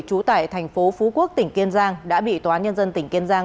trú tại thành phố phú quốc tỉnh kiên giang đã bị tòa án nhân dân tỉnh kiên giang